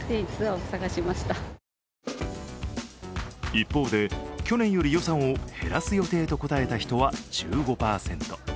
一方で去年より予算を減らす予定と答えた人は１５％。